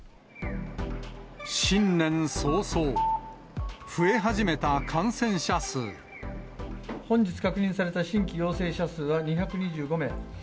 新年早々、増え始めた感染者本日確認された新規陽性者数は２２５名。